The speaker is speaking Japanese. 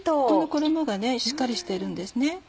この衣がしっかりしてるんですね。